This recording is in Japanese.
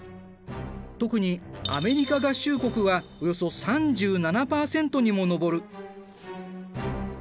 特にアメリカ合衆国はおよそ３７％にも上る。